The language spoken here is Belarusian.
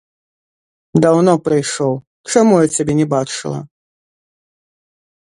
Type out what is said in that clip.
Даўно прыйшоў, чаму я цябе не бачыла?